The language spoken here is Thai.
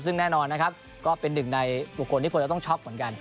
ซึ่งแน่นอนนะครับก็เป็นหนึ่งในบุคคลที่ควรจะต้องช็อกเหมือนกัน